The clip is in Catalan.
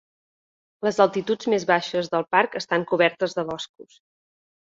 Les altituds més baixes del parc estan cobertes de boscos.